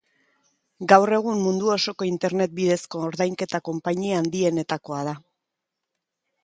Gaur egun mundu osoko internet bidezko ordainketa konpainia handienetakoa da.